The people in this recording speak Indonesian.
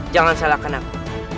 jangan salahkan aku